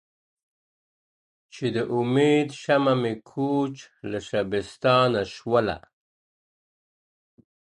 .چي د اُمید شمه مي کوچ له شبستانه سوله.